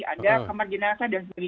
ada kamar jenazah dan sebagainya